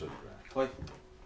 はい。